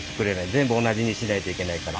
全部同じにしないといけないから。